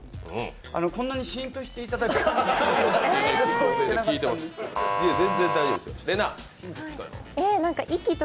こんなにシーンとしていただくと。